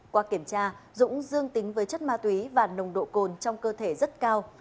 qua kiểm tra dũng dương tính với chất ma túy và nồng độ cồn trong cơ thể rất cao